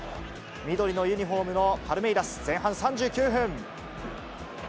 緑のユニホームのパルメイラス、前半３９分。